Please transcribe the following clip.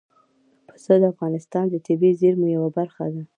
پسه د افغانستان د طبیعي زیرمو یوه برخه ده.